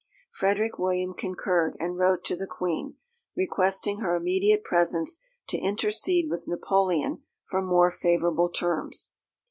Frederick William concurred, and wrote to the Queen, requesting her immediate presence to intercede with Napoleon for more favourable terms.